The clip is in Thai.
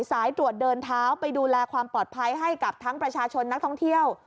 สายตรวจเดินเท้าไปดูแลความปลอดภัยให้กับทั้งประชาชนนักท่องเที่ยว